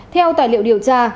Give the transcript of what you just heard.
theo tài liệu điều tra